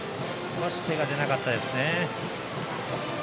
少し手が出なかったですね。